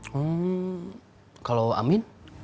hmm kalau amin